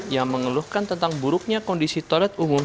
yang mengeluhkan tentang buruknya kondisi toilet umum